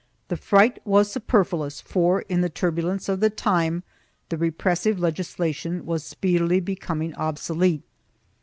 2 The fright was superfluous for, in the turbulence of the time, the repressive legislation was speedily becoming obsolete.